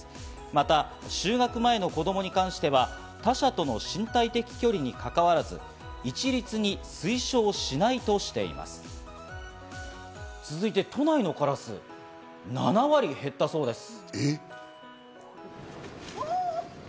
また、就学前の子供に関しては他社との身体的距離にかかわらず、続いて都内のカラス、７割減ったそうです。